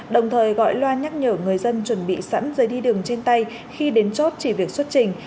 đồng thời gọi loa nhắc nhở người dân chuẩn bị sẵn giới đi đường trên tay khi đến chốt chỉ việc xuất trình